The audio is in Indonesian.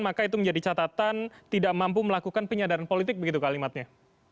maka itu menjadi catatan tidak mampu melakukan penyadaran politik begitu kalimatnya